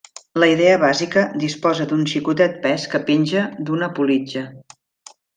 La idea bàsica disposa d'un xicotet pes què penja d'una politja.